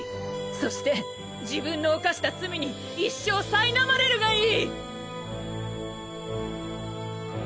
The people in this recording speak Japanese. そして自分の犯した罪に一生苛まれるがいい！